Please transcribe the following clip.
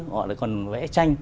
họ lại còn vẽ tranh